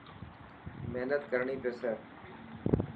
مهنت ڪرڻي پيي.